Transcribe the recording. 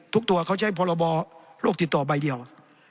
ตัวเขาใช้พรบโรคติดต่อใบเดียว